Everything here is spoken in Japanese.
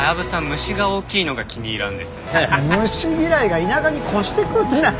虫嫌いが田舎に越してくるなよ。